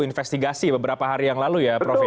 investigasi beberapa hari yang lalu ya prof ya